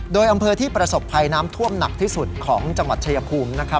โดยอำเภอที่ประสบภัยน้ำท่วมหนักที่สุดของจังหวัดชายภูมินะครับ